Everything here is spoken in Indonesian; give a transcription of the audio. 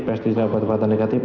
mestisena obat obatan negatif